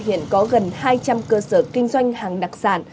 hiện có gần hai trăm linh cơ sở kinh doanh hàng đặc sản